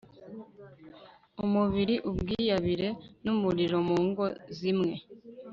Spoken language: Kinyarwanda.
umubiri ubwiyabire numuriro Mu ngo zimwe